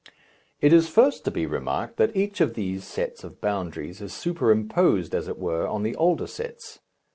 It is first to be remarked that each of these sets of boundaries is superposed, as it were, on the older sets.